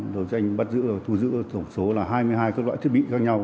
đối với anh bắt giữ thu giữ tổng số là hai mươi hai các loại thiết bị khác nhau